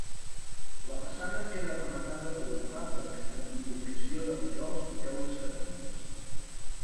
La façana queda rematada per un ràfec amb imbricació de rajols i teules ceràmiques.